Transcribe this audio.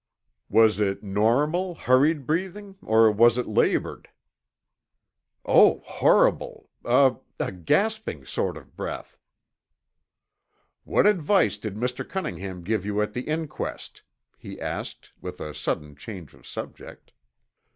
"Was it normal, hurried breathing, or was it labored?" "Oh, horrible! A a gasping sort of breath!" "What advice did Mr. Cunningham give you at the inquest?" he asked, with a sudden change of subject.